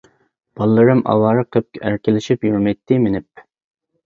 بالىلىرىم ئاۋارە قىلىپ، ئەركىلىشىپ يۈرمەيتتى مىنىپ.